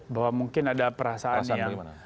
bahwa mungkin ada perasaan sambil